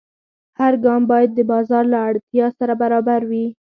هر ګام باید د بازار له اړتیا سره برابر وي.